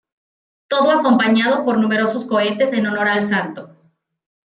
Todo acompañado por numerosos cohetes en honor al santo.